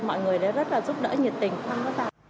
mọi người rất là giúp đỡ nhiệt tình